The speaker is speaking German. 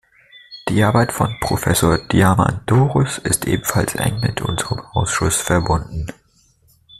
Die Arbeit von Professor Diamandouros ist ebenfalls eng mit unserem Ausschuss verbunden.